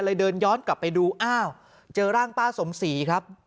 เดินย้อนกลับไปดูอ้าวเจอร่างป้าสมศรีครับ